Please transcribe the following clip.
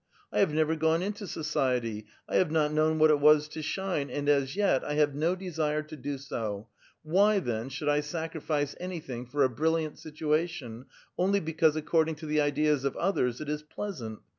I have never gone into society, 1 have not known what it was to shine, and as yet 1 have no desire to do so ; wh} , then, should 1 sacrifice anything for a brilliant situation, only because according to tlie ideas of others it is pleasant?